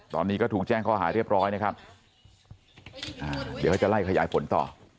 ตอนนี้ก็ถูกแจ้งข้อหาเรียบร้อยนะครับอ่าเดี๋ยวเขาจะไล่ขยายผลต่อ